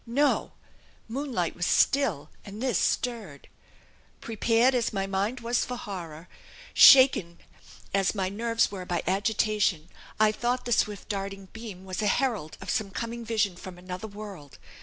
No! moon light was still, and this stirred ... prepared as my mind was for horror, shaken as my nerves were by agitation, I thought the swift darting beam was a herald of some coming vision from another world.